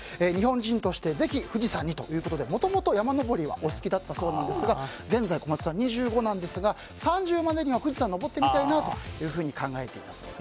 日本人としてぜひ富士山にということでもともと山登りはお好きだったそうなんですが現在、小松さん２５なんですが３０までには登ってみたいなと考えていたそうです。